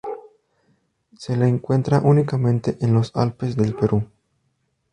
Se la encuentra únicamente en los Alpes del Perú.